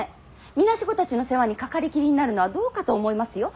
孤児たちの世話に掛かりきりになるのはどうかと思いますよ。